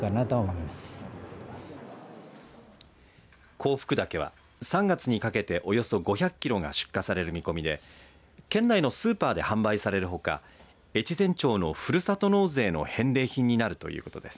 香福茸は３月にかけておよそ５００キロが出荷される見込みで県内のスーパーで販売されるほか越前町のふるさと納税の返礼品になるということです。